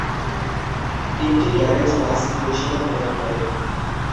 তিনটি garage bus পরিষেবা প্রদান করে।